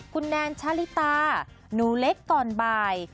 คุณแนนชาลิตาหนูเล็กก่อนบ่าย